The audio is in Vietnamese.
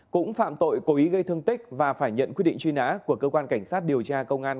cũng phạm tội cố ý gây thương tích và phải nhận quyết định truy nã của cơ quan cảnh sát điều tra công an